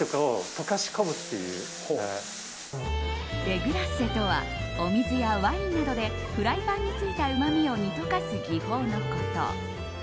デグラッセとはお水やワインなどでフライパンについたうまみを煮溶かす技法のこと。